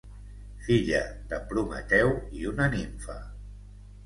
Filla de Prometeu i una nimfa.